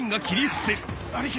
兄貴！